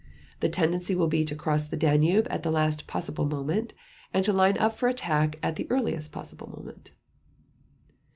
The tendency will be to cross the Danube at the last possible moment, and to line up for attack at the earliest possible moment."